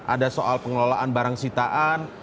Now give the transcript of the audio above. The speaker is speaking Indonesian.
ada soal pengelolaan barang sitaan